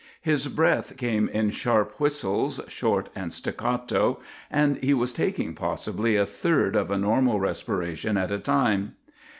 His breath came in sharp whistles, short and staccato, and he was taking possibly a third of a normal respiration at a time.